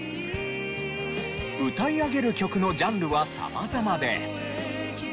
歌い上げる曲のジャンルは様々で。